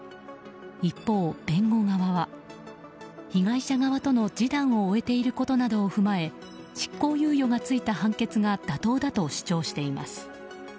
一方、弁護側は被害者側との示談を終えていることなどを踏まえ執行猶予がついた判決が妥当だと主張しています。